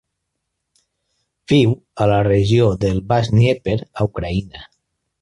Viu a la regió del baix Dnièper, a Ucraïna.